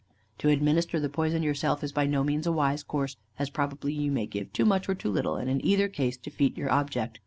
To administer the poison yourself is by no means a wise course, as probably you may give too much or too little, and in either case defeat your object.